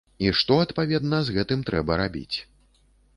І што, адпаведна, з гэтым трэба рабіць.